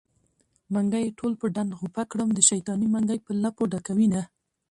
منګي يې ټول په ډنډ غوپه کړم د شيطانۍ منګی په لپو ډکوينه